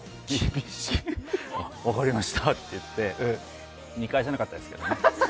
あ、分かりましたって言って、見返さなかったですけどね。